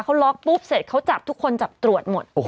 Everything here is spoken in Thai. เขาล็อกปุ๊บเสร็จเขาจับทุกคนจับตรวจหมด